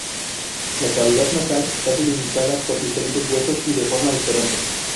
La cavidad nasal está delimitada por diferentes huesos y de forma diferente.